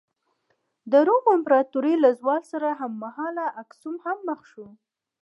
د روم امپراتورۍ له زوال سره هممهاله اکسوم هم مخ شو.